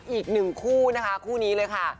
อีก๑คู่คู่นี้เลยค่ะ